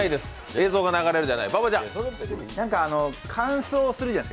映像が流れる、じゃない。